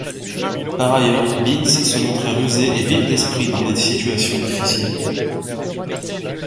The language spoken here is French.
Par ailleurs, Bean sait se montrer rusée et vive d'esprit dans des situations difficiles.